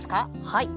はい。